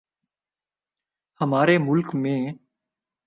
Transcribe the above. ہمارے ملک میں